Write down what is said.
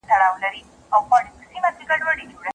شنه بوټي د اکسیجن تولید لپاره ضروري دي.